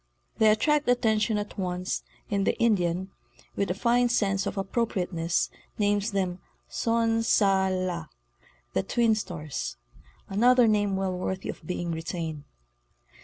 They attract attention at once and the Indian, with a fine sense of appropriateness, names them " Son sa la"—the '"' Twin Stars" ; another name well worthy of being retained.